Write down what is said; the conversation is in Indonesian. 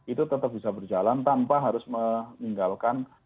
itu tetap bisa berjalan tanpa harus meninggalkan